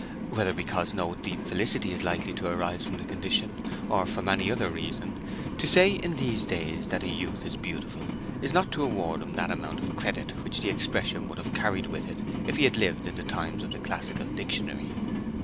Whether because no deep felicity is likely to arise from the condition, or from any other reason, to say in these days that a youth is beautiful is not to award him that amount of credit which the expression would have carried with it if he had lived in the times of the Classical Dictionary.